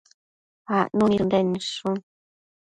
acnu nid Ënden nidshun